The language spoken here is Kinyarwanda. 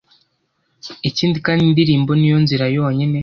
ikindi kandi indirimbo ni yo nzira yonyine